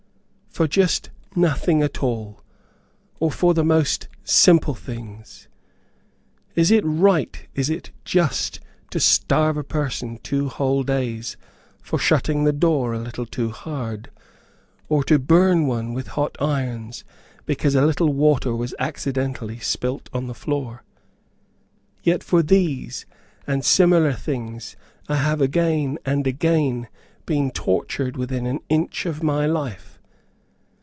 For just nothing at all, or for the most simple things. Is it right, is it just to starve a person two whole days for shutting the door a little too hard? or to burn one with hot irons because a little water was accidentally spilt on the floor? Yet for these and similar things I have again and again been tortured within an inch of my life.